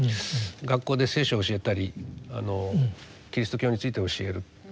学校で「聖書」を教えたりキリスト教について教える。